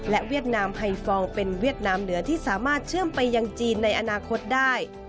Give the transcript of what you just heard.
เวียดนามไฮฟองเป็นเวียดนามเหนือที่สามารถเชื่อมไปยังจีนในอนาคตได้